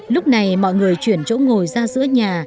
lúc này mọi người chuyển chỗ ngồi ra giữa nhà